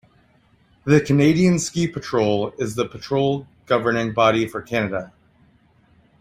The Canadian Ski Patrol is the patrol governing body for Canada.